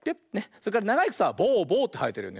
それからながいくさはボゥボゥってはえてるよね。